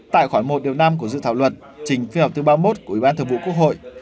tại khoản một điều năm của dự thảo luật trình phi họp thứ ba mươi một của ủy ban thượng vụ quốc hội